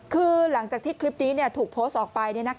คือหลังจากที่คลิปนี้ถูกโพสต์ออกไป